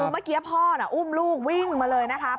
เมื่อกี้พ่ออุ้มลูกวิ่งมาเลยนะครับ